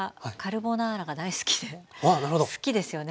好きですよね？